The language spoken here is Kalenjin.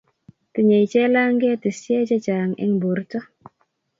tinyei chelange tisie che chang' eng' borto